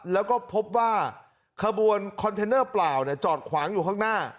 แล้วก็พบว่าขบวนคอนเทนเนอร์เปล่าจอดขวางอยู่ข้างหน้า